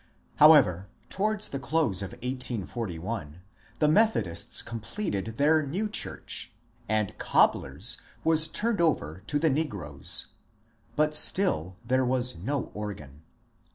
However, towards the close of 1841 the Methodists com pleted their new church, and ^^ Cobler's " was turned over to the negroes. But still there was no organ.